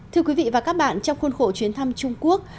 thưa quý vị và các bạn trong khuôn khổ chuyến thăm trung quốc